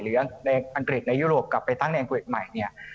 หรือในอังกฤษในยุโรปกลับไปตั้งในอังกฤษใหม่เนี่ย